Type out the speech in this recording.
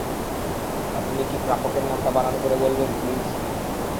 আপনি কি প্রাপকের নামটা বানান করে বলবেন প্লিজ?